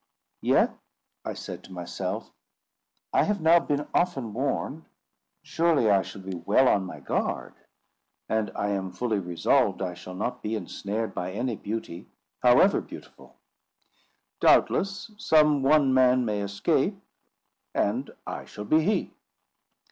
"Yet," I said to myself, "I have now been often warned; surely I shall be well on my guard; and I am fully resolved I shall not be ensnared by any beauty, however beautiful. Doubtless, some one man may escape, and I shall be he."